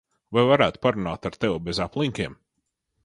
Vai varētu parunāt ar tevi bez aplinkiem?